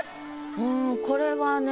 うんこれはね